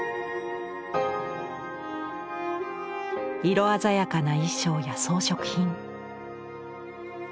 色鮮やかな衣装や装飾品。